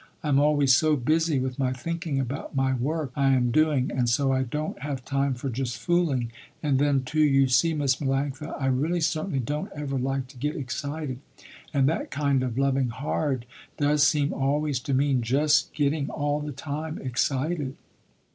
I am always so busy with my thinking about my work I am doing and so I don't have time for just fooling, and then too, you see Miss Melanctha, I really certainly don't ever like to get excited, and that kind of loving hard does seem always to mean just getting all the time excited.